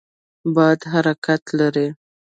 باد حرکت لري.